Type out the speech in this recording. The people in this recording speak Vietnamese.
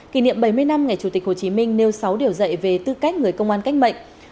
kỷ niệm bảy mươi năm ngày chủ tịch hồ chí minh nêu sáu điều dạy về tư cách người công an cách mệnh